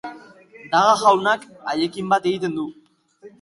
Daga jaunak haiekin bat egiten du.